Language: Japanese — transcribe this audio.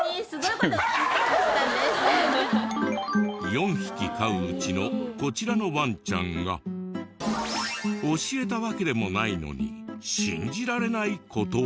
４匹飼ううちのこちらのワンちゃんが教えたわけでもないのに信じられない事を！